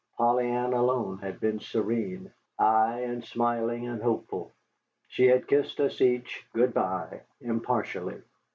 Polly Ann alone had been serene, ay, and smiling and hopeful. She had kissed us each good by impartially.